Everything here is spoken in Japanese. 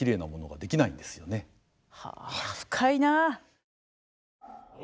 はあ深いな。